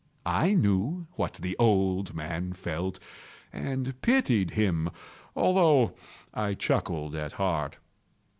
I knew what the old man felt, and pitied him, although I chuckled at heart.